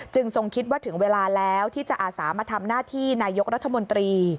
ทรงคิดว่าถึงเวลาแล้วที่จะอาสามาทำหน้าที่นายกรัฐมนตรี